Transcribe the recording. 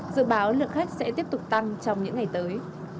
dự báo lượng khách sẽ tiếp tục tăng trong những ngày tới